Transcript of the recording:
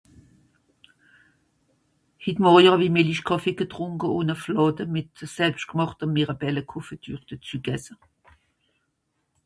hit Mòrje hàwi Melichkàffe getrùnke ùn à Flàdde mìt selbschtgemàchte Miràbelle Confiture dàzü gesse